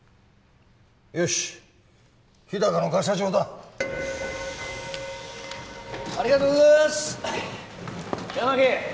よし日高のガサ状だありがとうございます八巻